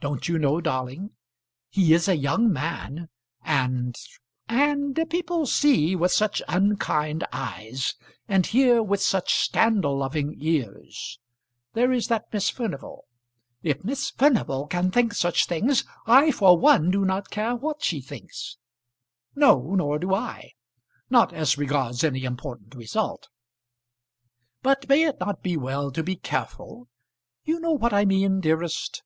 "Don't you know, darling? He is a young man and and people see with such unkind eyes, and hear with such scandal loving ears. There is that Miss Furnival " "If Miss Furnival can think such things, I for one do not care what she thinks." "No, nor do I; not as regards any important result. But may it not be well to be careful? You know what I mean, dearest?"